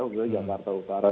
juga jakarta utara